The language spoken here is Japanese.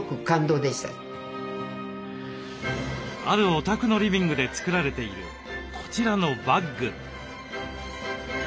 あるお宅のリビングで作られているこちらのバッグ。